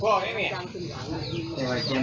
พอหลังจากเกิดเหตุแล้วเจ้าหน้าที่ต้องไปพยายามเกลี้ยกล่อม